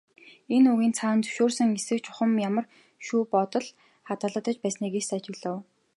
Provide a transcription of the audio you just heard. Энэ үгийн цаана зөвшөөрсөн эсэх, чухам ямар шүү бодол хадгалагдаж байсныг эс ажиглав.